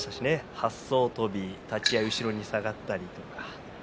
八艘はっそう飛び立ち合い後ろに下がったりとか。